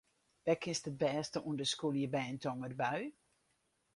Wêr kinst it bêste ûnder skûlje by in tongerbui?